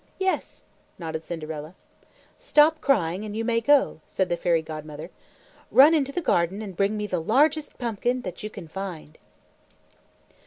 "Yes," nodded Cinderella. "Stop crying and you may go," said the Fairy Godmother. "Run into the garden and bring me the largest pumpkin that you can find."